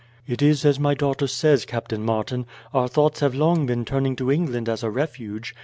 "It is as my daughter says, Captain Martin; our thoughts have long been turning to England as a refuge.